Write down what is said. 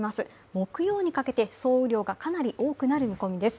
木曜にかけて総雨量がかなり多くなる見込みです。